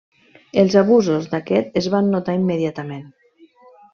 Els abusos d'aquest es van notar immediatament.